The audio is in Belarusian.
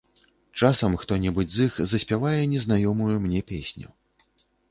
Часам хто-небудзь з іх заспявае незнаёмую мне песню.